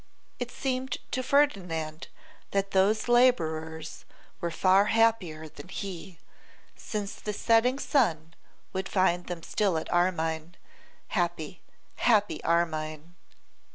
It seemed to Ferdinand that those labourers were far happier than he, since the setting sun would find them still at Armine: happy, happy Armine!